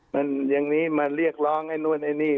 มันอย่างนี้มาเรียกร้องไอ้นู่นไอ้นี่